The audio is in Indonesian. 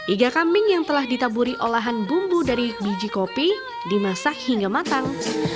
iga kambing yang telah ditaburi olahan bumbu dari biji kopi dimasak hingga matang